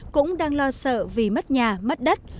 cũng đang lo sợ vì mất nhà mất đất